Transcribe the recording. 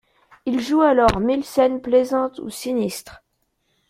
Ils jouent alors mille scènes plaisantes ou sinistres.